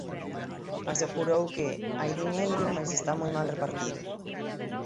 Asegurou que "hai diñeiro mais está moi mal repartido".